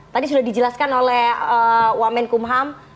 tadi sudah dijelaskan oleh wamen kumham